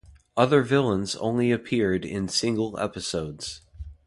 Other villains only appeared in single episodes.